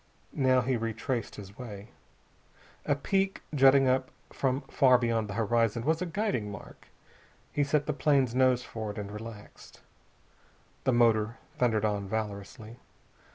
Now he retraced his way. A peak jutting up from far beyond the horizon was a guiding mark. He set the plane's nose for it, and relaxed. The motor thundered on valorously.